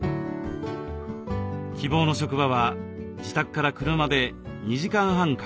希望の職場は自宅から車で２時間半かかる場所。